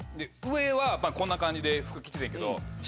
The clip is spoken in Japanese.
上はこんな感じで服着ててんけど。